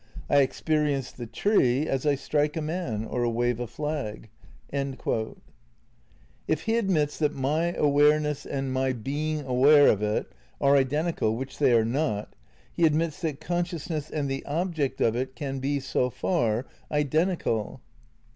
I experience the tree as I strike a man or wave a flag." ^ If he admits that my awareness and my being aware of it are identical (which they are not), he admits that consciousness and the object of it can be, so far, iden tical.